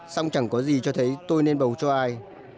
xong chẳng có gì cho thấy tôi nên bầu cho ai